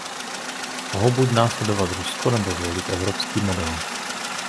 Mohou buď následovat Rusko, nebo zvolit evropský model.